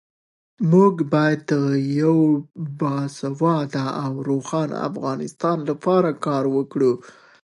موږ باید د یو باسواده او روښانه افغانستان لپاره کار وکړو.